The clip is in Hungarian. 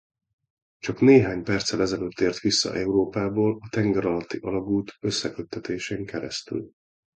Csak néhány perccel ezelőtt ért vissza Európából a tengeralatti-alagút összeköttetésén keresztül.